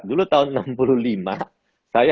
dulu tahun enam puluh lima saya